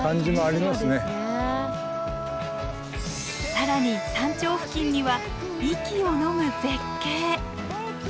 更に山頂付近には息をのむ絶景！